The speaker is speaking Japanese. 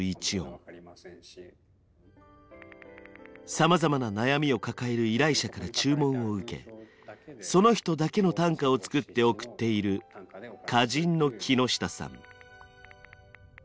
さまざまな悩みを抱える依頼者から注文を受けその人だけの短歌を作って送っている歌人の木下さん。